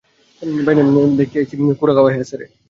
বেআইনেরে দেইক্কা আইছি কুড়া খাওয়ায় হাঁসেরে।